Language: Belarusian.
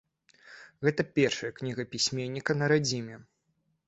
Гэты першая кніга пісьменніка на радзіме.